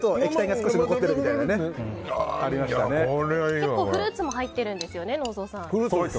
結構フルーツも入ってるんですよね。